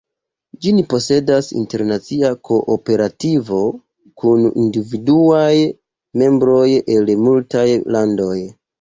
Ĝin posedas internacia kooperativo kun individuaj membroj el multaj landoj.